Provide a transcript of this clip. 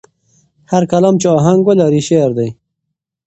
هر کلام چې آهنګ ولري، شعر دی.